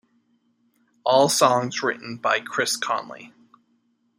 All songs written by Chris Conley.